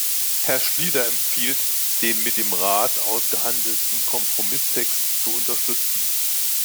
Herr Schlyter empfiehlt, den mit dem Rat ausgehandelten Kompromisstext zu unterstützen.